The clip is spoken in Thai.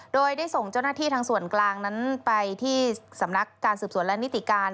โดยได้ส่งเจ้าหน้าที่ทางส่วนกลางนั้นไปที่สำนักการสืบสวนและนิติการ